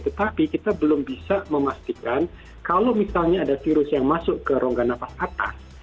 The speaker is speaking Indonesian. tetapi kita belum bisa memastikan kalau misalnya ada virus yang masuk ke rongga nafas atas